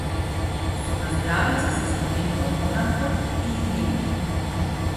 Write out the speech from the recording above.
Со наздравица се споменува монархот и иднината.